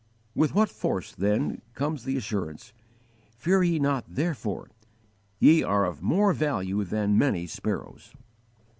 With what force then comes the assurance: "Fear ye not therefore; ye are of more value than many sparrows!"